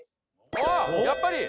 「ああーやっぱり！」